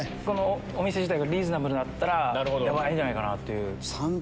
お店自体がリーズナブルだったらヤバいんじゃないかなっていう。